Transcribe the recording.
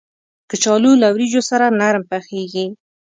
کچالو له وریجو سره نرم پخېږي